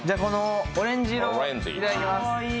オレンジ色をいただきます。